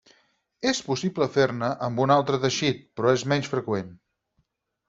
És possible fer-ne amb un altre teixit, però és menys freqüent.